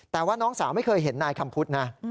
แต่ว่าน้องสาวไม่เคยเห็นนายคำพุทธนะ